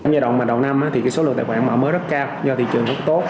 trong giai đoạn đầu năm thì số lượng tài khoản mở mới rất cao do thị trường rất tốt